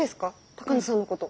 鷹野さんのこと。